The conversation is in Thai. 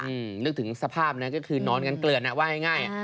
นึกถึงสภาพนะก็คือนอนกันเกลือนอ่ะว่าง่าย